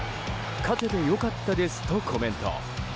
勝てて良かったですとコメント。